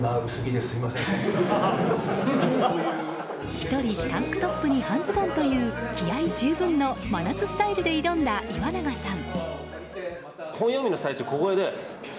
１人、タンクトップに半ズボンという気合十分の真夏スタイルで挑んだ岩永さん。